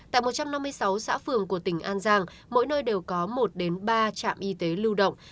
tại một trăm năm mươi sáu xã phường của tỉnh an giang mỗi nơi đều có một đến ba trạm y tế lưu động